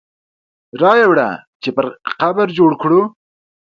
را یې وړه چې پرې قبر جوړ کړو.